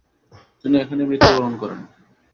তিনি এখানেই মৃত্যুবরণ করেন।